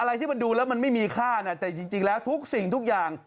เอ่ออะไรที่มันดูแล้วมันไม่มีค่าเนี่ยแต่จริงจริงแล้วทุกสิ่งทุกอย่าง